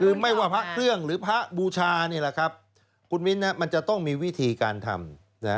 คือไม่ว่าพระเครื่องหรือพระบูชานี่แหละครับคุณมิ้นมันจะต้องมีวิธีการทำ